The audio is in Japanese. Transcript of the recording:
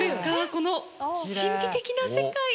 この神秘的な世界。